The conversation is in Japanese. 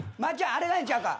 あれがええんちゃうか？